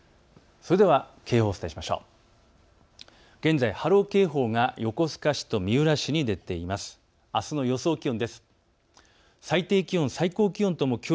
それでは警報をお伝えしましょう。